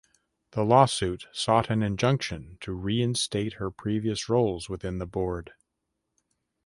The lawsuit sought an injunction to reinstate her previous roles within the Board.